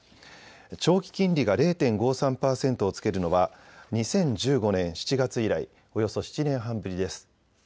長期金利が０．５３％をつけるのは２０１５年７月以来およそ７年半ぶりです。